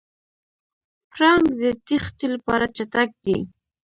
پړانګ د تېښتې لپاره چټک دی.